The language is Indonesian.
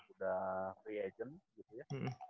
udah free agent gitu ya